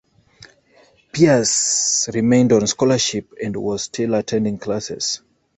Pierce remained on scholarship and was still attending classes.